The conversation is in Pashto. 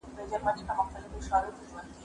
که وخت وي، ږغ اورم؟!